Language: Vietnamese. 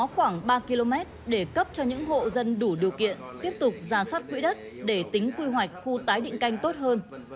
khoảng ba km để cấp cho những hộ dân đủ điều kiện tiếp tục ra soát quỹ đất để tính quy hoạch khu tái định canh tốt hơn